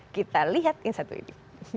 kita lihat yang satu ini